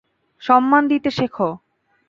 সম্মান দিতে শেখো।